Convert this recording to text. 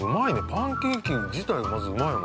パンケーキ自体がまずうまいよね。